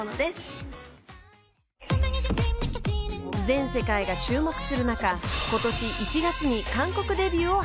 ［全世界が注目する中ことし１月に韓国デビューを果たし